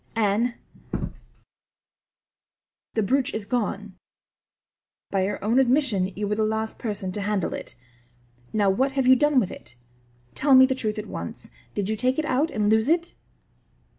"Anne, the brooch is gone. By your own admission you were the last person to handle it. Now, what have you done with it? Tell me the truth at once. Did you take it out and lose it?"